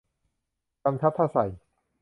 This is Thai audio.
กำชับถ้าใส่